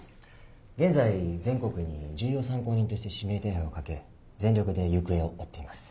現在全国に重要参考人として指名手配をかけ全力で行方を追っています